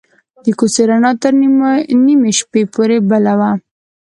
د کوڅې رڼا تر نیمې شپې پورې بل وه.